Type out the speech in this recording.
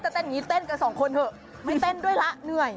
เต้นอย่างนี้เต้นกับสองคนเถอะไม่เต้นด้วยละเหนื่อย